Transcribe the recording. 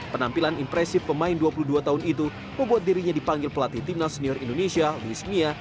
penampilan impresif pemain dua puluh dua tahun itu membuat dirinya dipanggil pelatih timnas senior indonesia luis mia